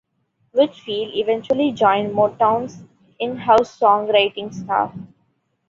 Whitfield eventually joined Motown's in-house songwriting staff.